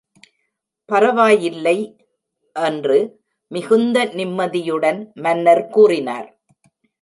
‘பரவாயில்லை!’ என்று மிகுந்த நிம்மதியுடன் மன்னர் கூறினார்.